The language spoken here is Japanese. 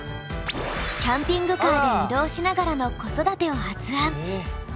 キャンピングカーで移動しながらの子育てを発案。